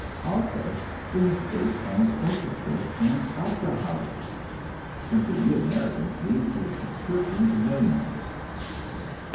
Also, they have state owned orchestras and opera houses, something we Americans leave to the subscriptions of millionaires.